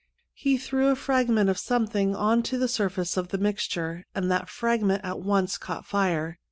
He threw a fragment of something on to the surface of the mixture, and that fragment at once caught fire.